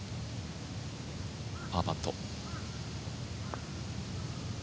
パーパット。